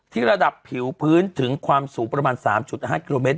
ระดับผิวพื้นถึงความสูงประมาณ๓๕กิโลเมตร